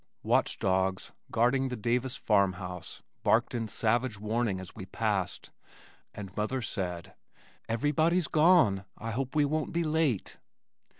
Watch dogs guarding the Davis farm house, barked in savage warning as we passed and mother said, "Everybody's gone. I hope we won't be late."